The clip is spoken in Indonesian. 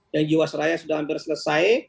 yang jiwasraya sudah hampir selesai